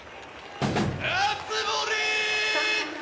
熱盛！